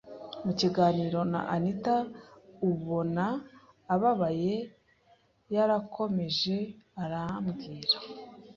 Mu kiganiro na Anitha ubona ababaye, yarakomeje arambwira